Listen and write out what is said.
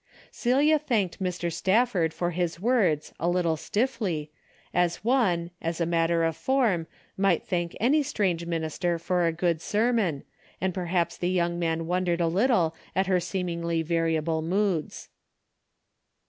Celia thanked Mr. Stafford for his A DAILY BATE.'^ 265 words a little stiffly, as one, as a matter of form, might thank any strange minister for a good sermon, and perhaps the young man wondered a little at her seemingly variable moods.